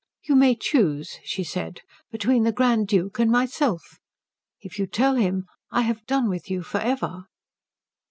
"You may choose," she said, "between the Grand Duke and myself. If you tell him, I have done with you for ever."